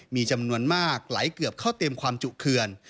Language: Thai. มีจำนวนมากไหลเกือบเข้าเต็มความจุเขื่อน